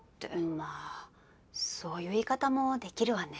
まあそういう言い方もできるわね。